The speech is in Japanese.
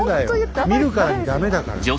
見るからにダメだから。